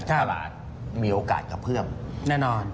ถ้าบาทมีโอกาสจะเพิ่มแน่นอน